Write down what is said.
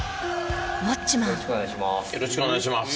よろしくお願いします。